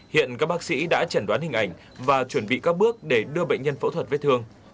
hiện các bác sĩ đã chẩn đoán hình ảnh và chuẩn bị các bước để đưa bệnh nhân phẫu thuật vết thương